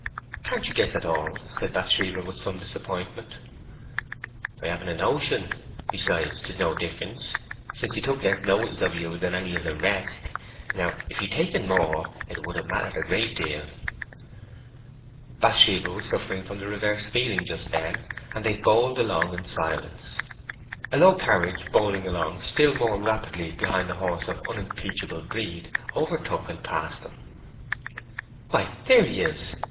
"Can't you guess at all?" said Bathsheba with some disappointment. "I haven't a notion; besides, 'tis no difference, since he took less notice of you than any of the rest. Now, if he'd taken more, it would have mattered a great deal." Bathsheba was suffering from the reverse feeling just then, and they bowled along in silence. A low carriage, bowling along still more rapidly behind a horse of unimpeachable breed, overtook and passed them. "Why, there he is!"